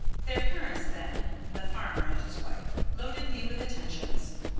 Their parents then (the farmer and his wife) loaded me with attentions.